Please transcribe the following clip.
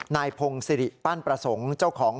นายพงศิริปั้นประสงค์เจ้าของ